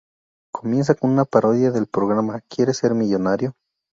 Comienza con una parodia del programa ¿Quieres ser millonario?